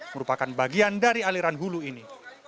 merupakan bagian dari aliran hulu ini